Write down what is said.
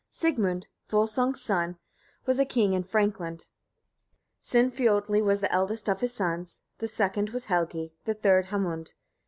Sigmund Volsung's son was a king in Frankland. Sinfiotli was the eldest of his sons, the second was Helgi, the third Hamund.